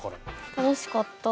楽しかった。